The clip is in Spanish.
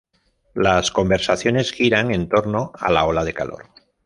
Las conversaciones giran en torno a la ola de calor.